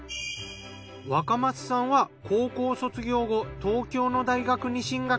若松さんは高校卒業後東京の大学に進学。